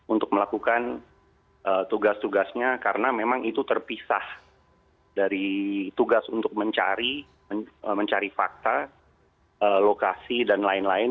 untuk melakukan tugas tugasnya karena memang itu terpisah dari tugas untuk mencari fakta lokasi dan lain lain